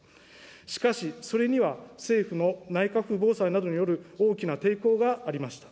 しかし、それには政府の内閣府防災などによる大きな抵抗がありました。